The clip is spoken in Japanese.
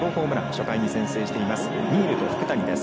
初回に先制しています。